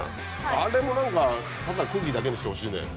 あれも何かただ空気だけにしてほしいね。